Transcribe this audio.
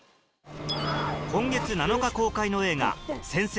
今月７日公開の映画『先生！